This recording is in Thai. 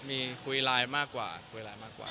มีคุยไลน์มากกว่าคุยไลน์มากกว่า